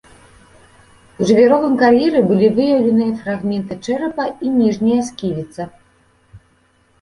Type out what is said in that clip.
У жвіровым кар'еры былі выяўленыя фрагменты чэрапа і ніжняя сківіца.